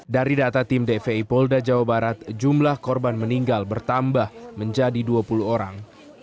dari data tim dvi polda jawa barat jumlah korban meninggal bertambah menjadi dua puluh orang